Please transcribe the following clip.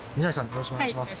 よろしくお願いします。